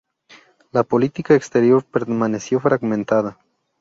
La política exterior permaneció fragmentada.